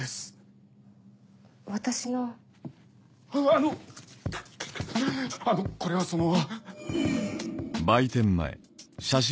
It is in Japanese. あのこれはその。